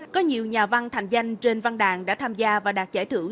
có nhiều nhà văn thành danh trên văn đàn đã tham gia và đạt giải thưởng